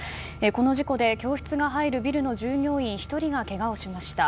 この事故で教室が入るビルの従業員１人がけがをしました。